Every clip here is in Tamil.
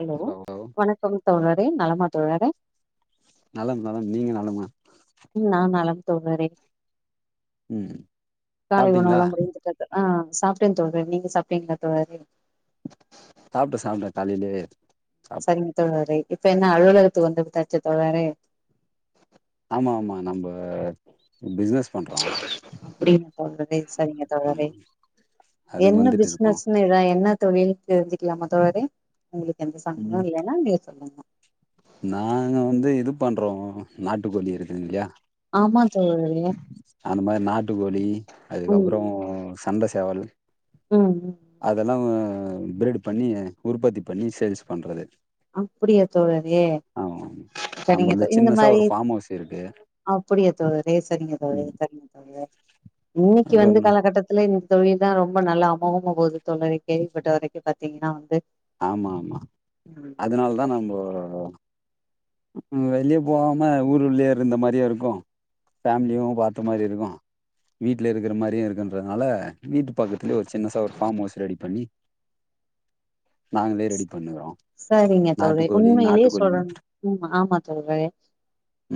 ஹலோ வணக்கம் தோழரே நலமா தோ வேற நலம் நலம் நீங்க நலமா ம் நா நலம் தோழரே ம் காலை சாப்ட்டீங்களா உணவெல்லாம் முடிஞ்சக்க ஆ சாப்ட்டேன் தோழரே நீங்க சாப்ட்டீங்களா தோழரே சாப்ட்டேன் சாப்ட்டேன் காலையிலே சரிங்க தோழரே இப்ப என்ன அலுவலகத்துக்கு வந்து தாச்சு தோழரே ஆமா ஆமா நம்ம அப்டிங்களா தோழரே சரிங்க தோழரே ஆமா அதுக்கு என்ன வந்துட்டு இருக்கோ பிஸ்னஸ்ன்னு எதா என்ன தொழில் தெரிஞ்சிக்கலாமா தோழரே உங்களுக்கு எந்த சங்கடமு ம் இல்லன்னா நீங்க சொல்லுங்க நாங்க வந்து இது பண்றோ நாட்டுக்கோழி இருக்குது இல்லையா ஆமா தோழரே அந்த மாரி நாட்டுக்கோழி ம் அதுக்கப்புறோ கந்தசேவல் ம் ம் அதெல்லாம் உ பிரீட் பண்ணி உற்பத்தி பண்ணி சேல்ஸ் பண்றது அப்புடிய தோழறே ஆமா சரிங்க நம்மளது தோ இந்த சின்னசா ஒரு மாரி ஃபார்ம் ஹவுஸ் இருக்கு அப்புடியா தோழரே சரிங்க தோழற ம் சரிங்க தோழற இன்னைக்கு அது வந்து ஒண்ணா காலகட்டத்துல இ தொழில் தா ரொம்ப நல்லா அமோகமா போது தோழரெ கேள்விப்பட்ட வரைக்கு பாத்தீங்கன்னா வந்து ஆமா ஆமா அதனால தா நம்போ உஹ் வெளியே போகாம ஊர் உள்யே இருந்த மாரியு இருக்கு ஃபேமிலியு பாத்த மாரி இருக்கு வீட்ல இருக்குற மாரியு இருக்குன்றதுனால வீட்டு பக்கத்துலயே ஒரு சின்னசா ஒரு ஃபார்ம் ஹவுஸ் ரெடி பண்ணி நாங்களே ச் ரெடி பண்ணுகிறோ சரிங்க தோல்றே நாட்டுக்கோழி உண்மையிலேயே நாட்டுக்கோழி சொல்லணு முட்ட உ ஆமா தோழறே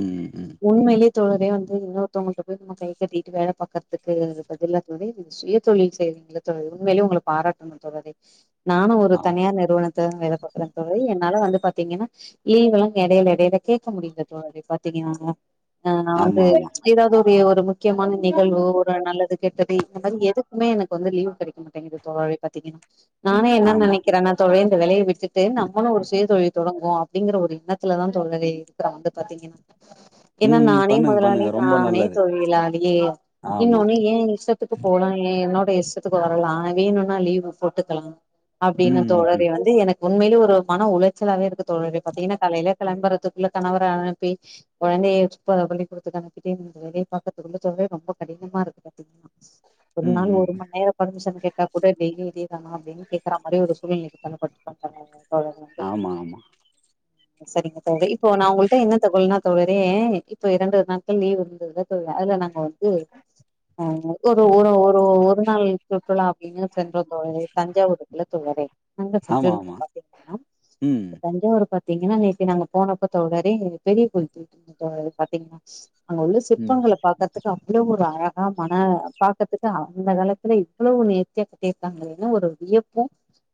ம் ம் உண்மையிலயே தோழறே வந்து இன்னொ ருத்தவங்க கிட்ட போய்ட்டு நம்ம கை கட்டிட்டு வேல பாக்குறதுக்கு பதில தோழரே நீங்க சுய தொழில் செய்றீங்களே தோழரே உண்மையிலே உங்கள பாராட்டணு தோழரே நானு ஓ ஆம் தனியார் நிறுவனத்துலதா வேல பாக்குற தோழரே என்னால வந்து பா த்தீங்கன்னா லீவுலா அஙக எடையில எடையில கேக்க முடியல தோழரே பாத்தீங்கன்னாங்க ஆஹ் நா ஆமா வந்து ஆமா ஏதாவது ஒ கே ஒரு முக்கியமான நிகழ்வு ஒரு நல்லது கெட்டது இந்த மாரி எதுக்குமே எனக்கு வந்து லீவ் கெடைக்க மாட்டேங்குது தோழரே பாத்தீங்கன்னா நானே என்ன ஆமா நனைக் தொழரே இந்த வேலைய விட்டுட்டு நம்மளு ஒரு சுய தொழில் தொடங்குவோ அப்டிங்கிற ஒரு எண்ணத்துலதா தோழரே இருக்கே வந்து பாத்தீங்கன்னா ஏன்னா ம் ம் நானே பண்ணுங்க முதலாளி பண்ணுங்க ரொம்ப நானே நல்லது தொழிலாளியே ஆமா இன்னொன்னு ஏ இஷ்டத்துக்கு போலா ஏ என்னோ ஏ இஷ்டத்துக்கு வரலா வேணுனா லீவ் போட்டுக்கலா ம் அப்டின்னு ம் தோழரே வந்து எனக்கு உண்மையிலே ஒரு மன உளைச்சலாவே இருக்கு தோழரே பாத்தீங்கன்னா காலையில கெளம்பறதுக்குள்ள கணவர அனுப்பி கொழந்தைய சுப்ப பள்ளி கூடத்துக்கு அனுப்பிட்டு வேலய பாக்கறதுக்குள்ள தோழரே ரொம்ப கடினமா இருக்கு பாத்தீங்கன்னா ஒரு ம் நாள் ம் ஒரு ம் மணி நேர பர்மிஷன் கேட் டா கூட டெய்லியு இதேதான அப்டின் கே க்றா மாரி ஒரு சூழ்நிலைக்கு தள்ளப்பட்டுருக ஆமா ஆமா சரிங்க தோழரே இப்போ நா உங்கள்ட தகவல்னா தோழரே இப்போ இரண்டு நாட்கள் லீவ் இருந்ததுல தோழரே அதுல நாங்க வந து ஆ ஒரு ஒரு ஒரு ஒரு நாள் லீவ்கு சுற்றுலா அப்டின்னு சென்றோ தோழரே தஞ்சாவூரு இல்ல தோழரே நங்க ஆமா செஞ்சோருங்க ஆமா பாத்தீங்கன்னா ம் இப்ப தஞ்சாவூர ப பாத்தீங்கன்னா நேத்தி நாங்க போனப்ப தோழரே பெரிய கோயில் [inaudible] பாத்தீங்கன்னா அங்க உள்ள ம் சிற்பங்கள பாக்கறதுக் கு அவ்ளோ ஒரு அழகா மன பாக்கதுக்கு அந்த காலத்துல இவ்வளவு நேத்தியா கட்டியிருக்காங்களேனு ஒரு வியப் பொ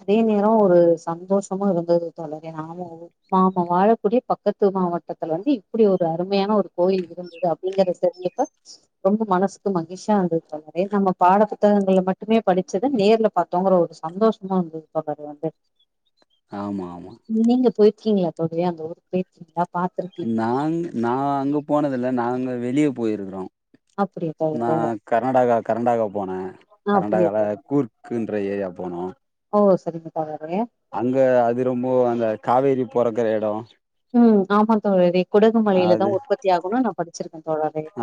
அதே நேர ஒரு சந்தோஷமு இருந்தது தோழரே நாமோ நாம வாழக்கூடிய பக்கத்து மாவட்டத்துல வந்து இப்டி ஒரு அருமையான ஒரு கோயில் இருந்தது அப்டிங்ற தெரிஞ்சப்ப ரொம்ப மனசுக்கு மகிழ்ச்சியா இருந்தது தோழரே நம்ம பாட புத்தகங்கள்ல மட்டுமே படிச்சத நேர்ல பார்த்தோங்குற ஒரு ச் சந்தோஷமா இருந்தது தோழரே வந்து ஆமா ஆமா இருக்கீங்களா தோழர அந்த ஊர் போயிர்கீங்களா நாங் நா அங்க போனதில்ல நாங்க வெளிய போயிருக்கிறோ அப்டியா நா தோழரே கர்நாடகா கர்டாக போனே அப்டியா கர்டாகால தோழரே கூர்க்குன்ற ஏரியா போனோ ஓ சரிங்க தோழரே அங்க அது ரொம்ப அந்த காவேரி பொறக்ற எடோ ம் ஆமாங் தோழரே குடகு மலையில தா உற்பத்தியாகுனு நம் படிச்சிருக்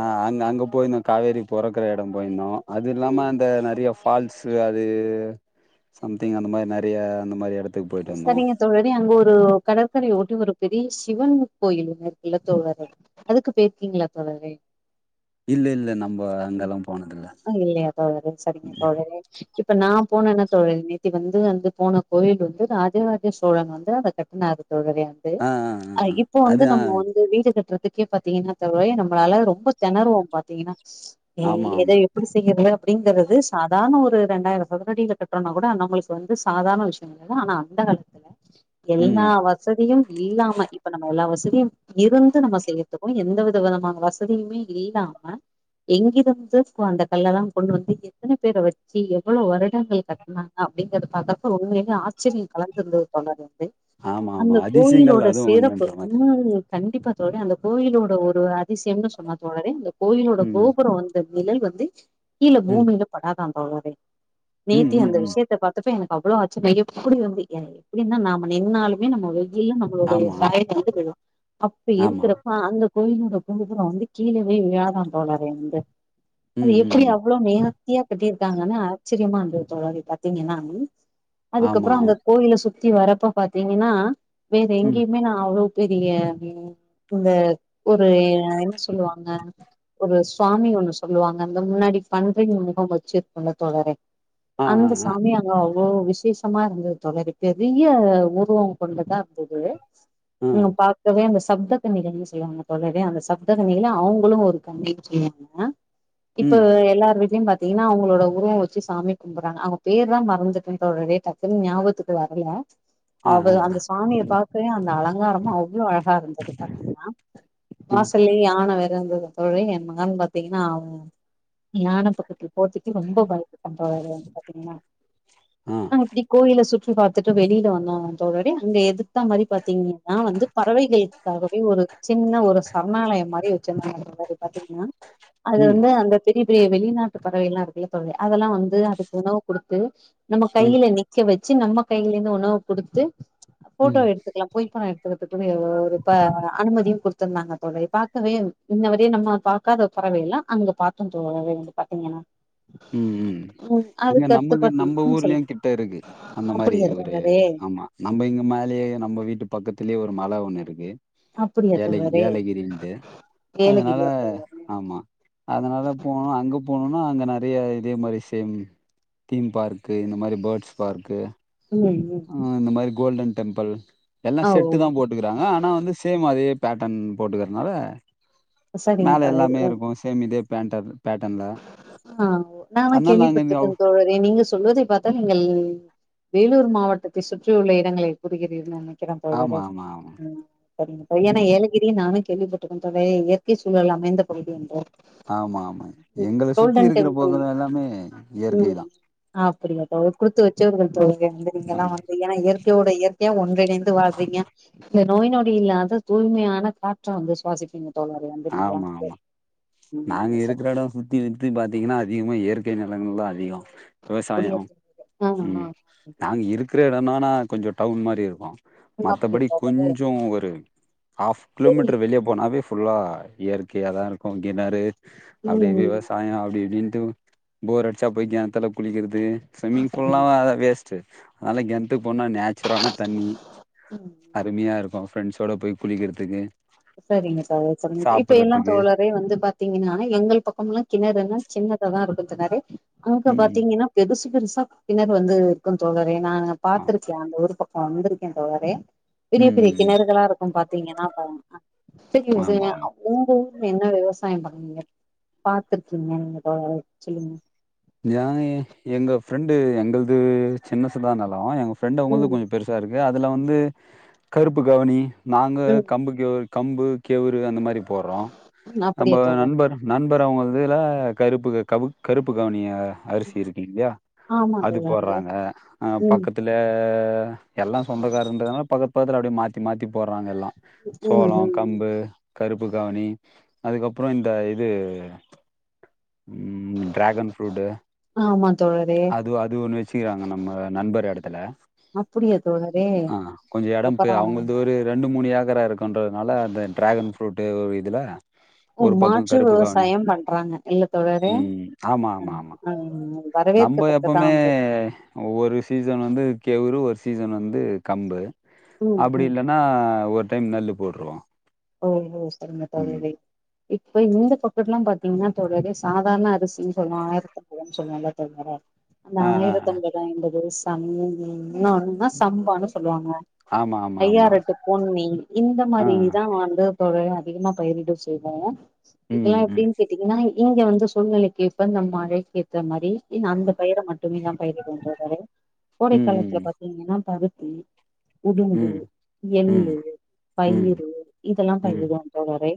ஆஹ் அங்க அங்க போயிருந்தோ காவேரி பொறக்ற எட போயிருந்தோ அது ம் இல்லாம அந்த நெறைய ஃபால்ஸு அது சம்திங் அந்த மாரி நெறைய அந்த மாரி எடத்து சரிங்க தோழரே அங்க ஒரு கடற்கரய ஒட்டி ஒரு பெரிய சிவன் கோயிலொன்னு இருக்குல்ல தோழரே அதுக்கு போயிருக்கீங்களா தோழரே இல்ல இல்ல நம்ப அங்கெல்லா போனதில்ல ஹ் இல்லயா தோழரே சரிங்க தோழரே இப்ப நா போனனா தோழர் நேத்திக்கு வந்து வந்து போன கோயில் வந்து ராஜ ராஜ சோழன் வந்து அத கட்னாரு ஆ ஆ ஆ [unintelligible] ஆஹ் ஆ இப்போ வந்து அது ஆ நம்ம வந்து வீடு கட்டுற அதுக்கே பாத்தீங்கன்னா தோழரே நமளால ரொம்ப தெனருவோ பாத்தீங்கன்னா ஏ ஆமா எத ஆமா எப்டி செய்யிறது அப்டிங்றது சாதாரண ஒரு ரெண்டாயிர சதுரடியில கட்டுறோம்னா கூட அந்த அவங்களுக்கு வந்து சாதரண விஷய ஆனா அந்த காலத் ம் எல்லா வசதியு இல்லாம இப்ப நம்ம எல்லா வசதி இருந்து நம்ம செய்யதுக்கு எந்த வித விதமான வசதியுமே இல்லாம எங்கிருந்து அந்த கல்லெல்லா கொண்டு வந்து எத்தன பேர வச்சு எவ்வளவு வருடங்கள் கட்டுனாங்க அப்டிங்கறத பாக்க உண்மயிலேயே ஆச்ச சரி கலந்திருந்தது [unintelligible] வந்து ஆமா ஆமா அந்த அதிசயங்கள் கோயிலோட அதுவு சிறப்பு ஒன்னுன்ற மாரி இன்ன கண்டிப்பா தோழரே அந்த கோயிலோட ஒரு அதிசயம்னு சொன்னா தோழரே கோயிலோட ம் கோபுர வந்து நிழல் வந்து கீழ ம் பூமியில படாதாம் தோழரே ம் நேத்தி ம் அந்த ம் விஷயத்த பாத்தப்ப எனக்கு அவ்ளோ அச்ச நய்யப் அப்டி வந்து எ எப்படின்னா நாம நின்னாலு நம்ம வெயில் நம்மளுடைய ஆமா சாய வந்து விழு அப்ப ஆமா இருக்கிறப்ப அந்த கோயிலோட ப்புற வந்து கீழே போய் வியாதா போலற வந்து அது ம் ம் எப்படி ம் அவ்வளோ நேர்த்தியா கட்டிரு இருக்காங்கனா ஆச்சரியமாருந்தது தோழரே பாத்திங்கனா ஆமா அதுக்கப்புற அந்த கோயில சு சுத்தி வரப்ப பாத்திங்கனா வேற ம் எங்கயுமே நா அவ்ளோ பெரிய இந்த ஒரு என்ன சொல்லுவாங்க ஒரு ஸ்வாமி ஒண்ணு சொல்லுவாங்க அந்த முன்னாடி பன்றி முகம் வச்சுருக்குல தோழரே ஆ ஆ அந்த ஆ சாமி அங்கோ ஓ விசேஷ மா இருந்துது தோழரே பெரிய ஊதுவ கொண்டதா இருந்துது ஆ ங்க பாக்கவே அந்த சப்த கன்னிகள்னு சொல்லுவாங்க தோழரே அந்த சப்த கன்னிகள்ல அவுங்குளு ஒரு கன்னினு சொல்வாங்க இப்ப ம் எல்லார் வீட்லயு பாத் திங்னா அவுங்களோட உருவ வச்சு சாமி கும்பர்றாங்க அவங்க பேர்தா மறந்துட்ட தோழரே டக் குன் ஞாபகத்துக்கு வரல ஆ அவ ஆ அந்த ஆ சுவாமியை பாக்கவே அந்த அலங்காரமு அவ்ள அழகா இருந்துது பாத்திங்கனா ம் வாசல்லயே யான வேற இருந்துது தோழரே என் மகன் பாத்திங்னா அவ யான பக்கத்துல போறதுக்கே ரொம்ப பயப்பட்ட தோழரே வந்து பாத்திங்கனா அ கோவில சுற்றி பாத்துட்டு வெளில வந்தோ தோழரே அங்க எதுத்தா மாரி பாத்திங்க னா வந்து பறவைகள் காகவே ஒரு சின்ன ஒரு சரணாலயம் மாரி வெச்சிருந்தாங்க தோழரே பாத்திங்னா அது ம் வந்து அந்த தெரி து வெளிநாட்டு பறவைகள்ல்லா இருக்குல்ல தோழரே அதெல்லா வந்து அதுக்கு உணவு குடுத்து நம்ம ம் கைல நி வெச்சு நம்ம கைல இருந்து உணவு குடுத்து ம் ஃபோட்டோ எடுத்துக்கலா போய் பா ஒரு ஒரு பா அனுமதியு குடுத் ருந்தாங்க தோழரே பாக்கவே இன்னவரையு நம்ம பாக்காத பறவையெல்லா அங்க பாத்தோ தோழரே வந்து பாத்திங்கனா ம் இங்க அதுக்கடுத்து நமக்கு நம்ம பாத்திங்னா ஊர்லயு சொல்லுங்க கிட்ட இருக்கு அந்த மாரி அப்படியா ஒரு தோழரே ஆமா நம்ம இங்க மேலயே நம்ம வீட்டு பக்கத்துலயே ஒரு மல ஒண்ணு இருக்கு அப்படியா ஏல தோழரே ஏலகிரின்ட்டு அதனால ஏலகிரியா தோழரே ஆமா அதனால போணோ அங்க போணோன் ஆ அங்க இதயே இதே மாரி சேம் தீம் பார்க்கு இந்த மாரி பேர்ட்ஸ் பார்க்கு ம் இந்த மாரி கோல்டன் டெம்பிள் எல்லா ஆ ஓ செட்டு தா போட்டுக்குறாங்க ஆனா வந்து சேம் அதே பேட்டன் போட்டுக்குறதுனால சரிங்க மேல எல்லாமே தோழரே இருக்கு சேம் இதே [unintelligible] ஆ ஒ நா ஆனா அதனால கேள்வி நாங்க இங்க- பட்டிருக்கே தோழரே நீங்க சொல்வதை பார்த்தால் நீங்கள் வேலூர் மாவட்டத்தை சுற்றி உள்ள இடங்களை கூறுகிறீர்கள் [unintelligible] நெனக்கிறேன் தோழரே ஆமா ஆமா ஆமா ம் ஏ ம் பையன ஏலகிரி நானு கேள்விப்பட்டுருக்கே தோழர் இயற்கைச் சூழல் அமைந்த பகுதி என்று ஆமாம் கோல்டன் டெம்பில் இயற்கை தா அப்படி குடுத்து வ [unintelligible] [unintelligible] தோழர் எங்க இங்கெல்லா வந்து ஏன்னா இயற்கையோட இயற்கையா ஒன்றிணைந்து வாழ்றீங்க இந்த நோய் நொடி இல்லாத தூய்மையான காற்ற வந்து சுவாசிப்பீங்க தோழரே வந்து நீங்கல்லா ஆமா வந்து ஆமா நாங்க ம் சரி இருக்கிற எட சுத் சுத்திக்கித்தி பாத்திங்கன்னா அதிகமாக இயற்கை நெலங்கள் தா அதிக விவசாய அப்படியா தோழரே ஆ ஆ ம் நாங் இருக்கு பெரிய எடமானா கொஞ்சொ டவுன் மாரி இருக்கு ஆ அப்படியா மத்தபடி தோழரே கொஞ்சோ ஒரு ஹாஃப் சரி கிலோமீட்டர் வெளியே போனாவே புல்லா இயற்கையா தா இருக்கு கிணறு அப்டியே ம் விவசாய அப்டி இப்டின்னு ம் போர் அடிச்சா போய் கெணத்துல குளிக்கிறது ஸ்வம்மிங் ஃபுல்லா சரிங்க வேஸ்ட் [unintelligible] த்து போனா நேச்சுரான தண்ணி ம் அருமையாருக்கு ஃப்ரெண்ட்ஸ்ஸோட போய் குளிக்கிறத்துக்கு சரிங்க தோழர் [unintelligible] இப்ப எல்லா தோழரே வந்து பாத்தீங்கன்னா எங்கள் பக்கமெல்லா கிணறுன்னா சின்னதா தா இருக்கு கொஞ்சோ [unintelligible] அங்கங்க ம் பாத்தீங்கன்னா பெதுசு பெருசா பின்னாடி வந்து இருக்கு தோழர் அது நானு ஆ பாத்துருக்கே அந்த ஒரு பக் வந்துருக்கே தோழரே பெரிய ம் பெரிய ம் ம் கிணறுகளா இருக்கு பாத் தீங்கனா போவு செரிங்க செர ஆமா கொஞ்சங்க ஆமா உங்க ஊர் ஊர்ல என்ன விவசாயம் பண்ணுணீங்க பாத்துருக்கீங்க நீங்க தோழரே சொல்லுங்க ஏ எங்க ஃப்ரெண்டு எங்களது சின்னசுதா நெலோ எங்க ஃப்ரெண்ட் அவங்கள்து ம் கொஞ்சோ பெருசா இருக்கு ஏ அதுல வந்து கருப்பு கவனி நாங்க ம் கம்புக்கு இது கம்பு கேவுரு அந்த மாரி மாதி போடுறோ நம்ம அப்படியா தோழரே நண்பர் நண்பர் அவுங்க இதுல கருப்பு கவு கருப்பு கவனிய அரிசி இருக்கு இல்லையா ஆமா அது தோழரே போடுறாங்க ஆ ம் பக்கத்துல எல்லா சொந்தக்காரங்கன்றதுனால பக்கத்து பக்கத்துல அப்டியே மாத்தி மாத்தி போட்றாங்க எல்லா ம் சோளோ ம் கம்பு கருப்பு கவனி அதுக்கப்பறோ இந்த இது ம் டிராகன் புரூட் ஆமா தோழரே அது அது ஒண்ணு வச்சிக்கிறாங்க நம்ம நண்பர் இடத்துல அப்டியா தோழரே ஆ கொஞ்சோ எடே இப்ப அப்பறோ அவங்கள்து ஒரு ரெண்டு மூணு ஏக்கரா இருக்குன்றதுனால அந்த டிராகன் ஃப்ரூட் இதுல ஓ ஒரு பக்கோ மாற்று கருப்பு கவுனி விவசாயம் பண்றாங்க இல்ல தோழரே நம்ப வரவேற்கத்தக்கதா எப்பவுமே வந்து ஒவ்வொரு சீசன் வந்து கேவுரு ஒரு சீசன் வந்து து கம்பு ம் அப்டி ம் இல்லன்னா ஒரு டைம் நெல்லு போட்ருவோ ஓஹோ சரிங்க ம் தோழரே இப்ப இந்த பக்கட்ல்லா பாத்தீங்கனா தோழரே சாதாரண அரிசின்னு சொல்லுவோ ஆயிரத்தான்னு சொல்லுவோல்ல தோழரே அந்த ஆ ஆ ஆயிரத்தெம்பது ஐம்பது ஸ் தண்ணி வேணு என்ன ஒன்னா சம்பான்னு சொல்லுவாங்க ஆ ஆமா ஆமா ஆமா ஐயாரெட்டு பொன்னி இந்த ஆ மாரி நா வந்து தோழரே அதிகமா பயிரிட செய்வோ ம் இதெல்லா ம் எப்படின்னு கேட்டீங்கனா இங்க வந்து சூழ்நிலைக்கு இப்ப நம் மழைக்கு ஏத்த மாரி அந்த பயிர மட்டுமே தா பயிரிட [unintelligible] கோடை ம் காலத்துல ம் பாத்தீங்கனா பாரு உடும்பு ம் எள்ளு ம் ம் பயிறு ம் ம் ல்லாம் [unintelligible] தோழரே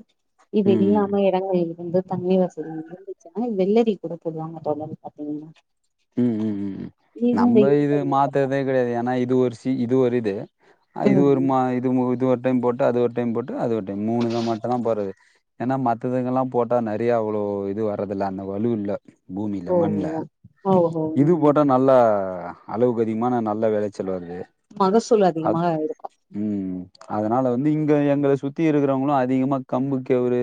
இது ம் இல்லாம இடங்கள் வந்து தண்ணமை வசதி இருந்துச்சுன்னா வெள்ளரி கூட போடுவாங்க தோழரே பாத்தீங்கன்னா ம் ம் ம் இந்த நம்ம இது மாத்தறதே கிடையாது ஏன்னா இது ஒரு சி இது ஒரு இது அ இது ஒரு மா இது இது ஒரு டைம் போட்டு அது ஒரு டைம் போட்டு அது ஒரு டைம் மூணு தா மட்டு தா போறது ஏன்னா மத்ததுங்கல்லாம் போட்டா நிறைய அவ்வளோ இது வர்றதில்ல அந்த வலுஇல்ல பூமில மண்ல ஹோ ஓ ம் ஹ அளவுக்கு அதிகமான நல்ல விளைச்சல் வருது மகசூல் அ அதிகமா இருக்கு உம் அதனால வந்து இங்க எங்க சுத்தி இருக்கிறவங்களும் அதிகமாக கம்பமு கேவுரு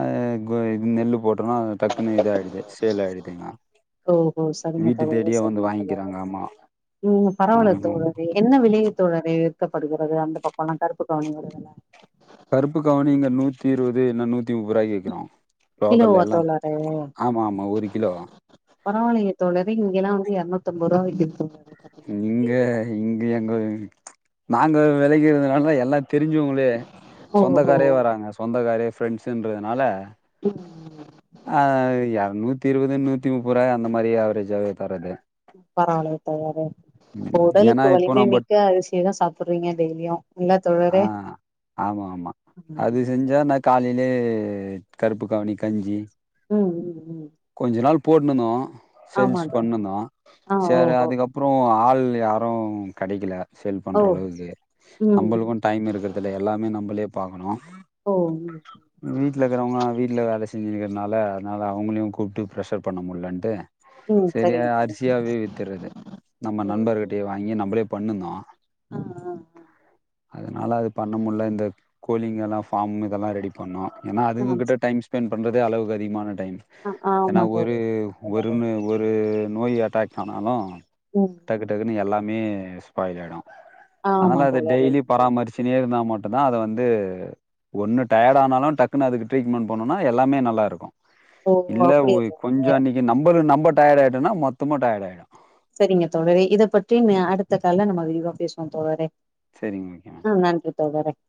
அ கொ இது நெல் போட் ஹ டக்குன்னு இது ஆய்டுது சேல் ஆயிடுது ஓஹோ சரிங்க தோழரே சரிங்க தோழரே வாங்கிக்கிறாங்க ஆமாம் ம் பரவல தோழரே என்ன வி இளைய தோழரே விற்கப்படுகிறது அந்த பக்கம்ல்லாம் கருப்பு கவணி கருப்பு கவனி இங்க நூத்தி இருபது இல்ல நூத்தி கிலோவா தோழரே ஆமாம் ஆமாம் ஒரு கிலோ பரவாலையே தோழரு இங்கல்லாம் வந்து இரநூத் அம்போற்ப விக்கிது இங்க இங்க எங்க நாங்க விலைகிறதுனால எல்லா தெரிஞ்சவங்களே ஓஹோ சொந்தக்காரே வராங்க சொந்தக்காரே ஃப்ரெண்ட்ஸுன்றதுனால ம் ஆஹ் ய நூத்தி இருபதுன்னூத்தி முப்பது ரூாய் அந்தமாதிரி ஆவரேஜாவவே தராது பரவல தோழரே அப்ப ம், ஏன்னா உடலுக்கு இப்போ வலிமை நம்ம மிக்க அரிசியதா சாப்பிடுறீங்க டெய்லியும் இல்ல ஆ தோழரே இதே கருப்பு கவுனி கஞ்சி ம் ம் ம் போட்டுணுதோ ஆமா செல்ஸ் தோழி பண்ணுயிருதோ ஆ செரி ஓஹோ அதுக்கப் ஆள் யாரு கடைக்கல சேல் ஓ பண்ற அளவுக்கு ம் ம் நம்பளுக்கும் டைம் இருக்கற்துல்ல எல்லாமே நம்பளே பாகணு ஓ ம் வீட்லக்குறவ்ங்க வீட்ல வேல செ செஞ்சின்னுர்க்கனால அத்னால அவங்களியு கூப்ட்டு ப்ரஷர் பண்ண முட்லன்டு ம் சரிங்க தோழ நம்ம நண்பர்கிட்டே வாங்கி நம் ம்பளே பண்ணுந்தோ ஆஹ் ஆஹ் ஆஹ் அதனால அது பண்ணமுல்ல இந்த கோலிங்கெல்லாம் ஃபாம் இதல்லாம் ரெடி பண்ணோம் ஏன்னா ஆ அதுங்க கிட்ட டைம் ஸ்பெண் பண்றதே அளவுக்கு அதிகமான டைம் ஆ ஆ ஏன்னா ஆமா தோழி ஒரு ஆமா தோழரே ஒருமு ஒரு நோயி அட்டாக் ஆனாலு ம் டக்கு டக்குனு எல்லாம் மே ஸ்பாயில் ஆயிடும் ஆமா அனால அத தோழரே டெய்லி பராமரிச்சினே இருந்தா மட் ப்ப தா அது வந்து ஒன்னு டயட் ஆனாலு டக்குனு அதுக்கு ட்ரீட்மெண்ட் பண்ணனு எல்லாமே நல்லாருக்கும் ஓ இல்ல அப்படியா ஓய் கொஞ்ச தோழரே அன்னக்கி நம்பல நம்பட் டயர் ஆயிட்டனா மொத்தமு டயட் ஆயிடும் செரிங்க தோழரே இத பற்றி அடுத்த கால்ல நம்ம விரிவா பேசுவோம் தோழரே சரிங்க ஓகே ஆ நன்றி [unintelligible]